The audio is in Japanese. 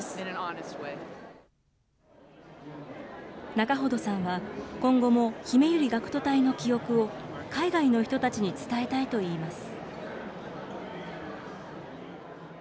仲程さんは、今後もひめゆり学徒隊の記憶を海外の人たちに伝えたいといいます。